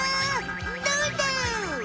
どうだ？